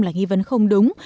là nghi vấn không đúng